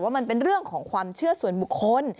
มันเป็นเรื่องของความเชื่อส่วนบุคคล